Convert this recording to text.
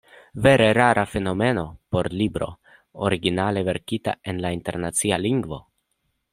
Vere rara fenomeno por libro, originale verkita en la internacia lingvo!